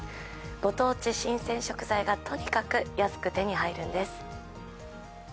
ご当地新鮮食材が、とにかく安く手に入ります。